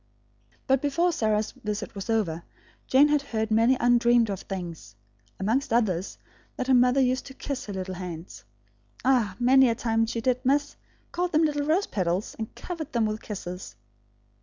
But before Sarah's visit was over, Jane had heard many undreamed of things; amongst others, that her mother used to kiss her little hands, "ah, many a time she, did, miss; called them little rose petals, and covered them with kisses."